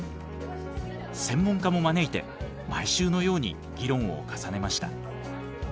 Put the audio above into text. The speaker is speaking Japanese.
専門家も招いて毎週のように議論を重ねました。